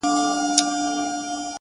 هره هڅه راتلونکی بدلولای شي